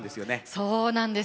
そうなんです。